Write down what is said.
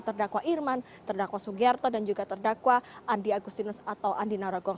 terdakwa irman terdakwa sugiarto dan juga terdakwa andi agustinus atau andi narogong